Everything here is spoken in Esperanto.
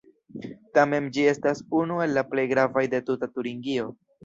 Tamen ĝi estas unu el la plej gravaj de tuta Turingio.